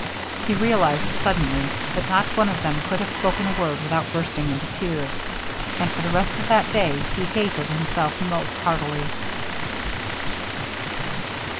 He realized suddenly that not one of them could have spoken a word without bursting into tears; and for the rest of that day he hated himself most heartily.